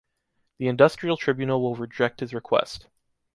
The industrial tribunal will reject his request.